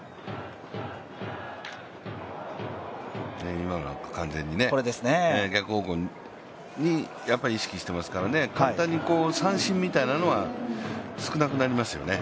今のなんか、完全に逆方向に意識していますからね、簡単に三振みたいなのは少なくなりますよね。